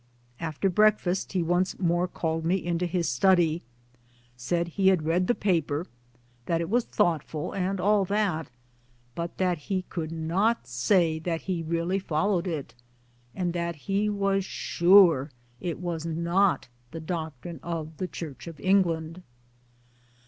After breakfast he once more called me into his study, said he had read the paper, CAMBRIDGE 55 that it was thoughtful and all that, but that he could, not say that he really followed it, and that he was sure it was not the doctrine of the Church of England.